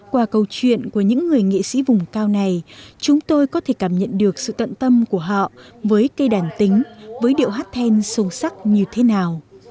qua câu chuyện của những người nghệ sĩ vùng cao này chúng tôi có thể cảm nhận được sự tận tâm của họ với cây đàn tính với điệu hát then sâu sắc như thế nào